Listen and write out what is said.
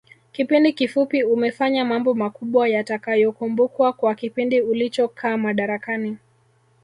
Kipindi kifupi umefanya mambo makubwa yatakayokumbukwa kwa kipindi ulichokaa madarakani